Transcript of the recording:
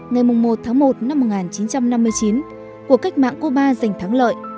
ngày một tháng một năm một nghìn chín trăm năm mươi chín cuộc cách mạng cuba giành thắng lợi